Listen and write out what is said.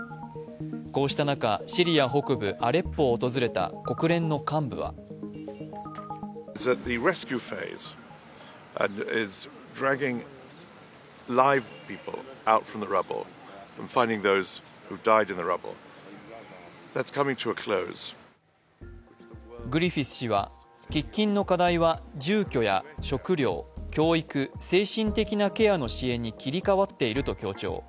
こうした中、シリア北部アレッポを訪れた国連の幹部はグリフィス氏は、喫緊の課題は住居や食料、教育、精神的なケアの支援に切り替わっていると強調。